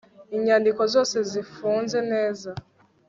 inyandiko zose zifunze neza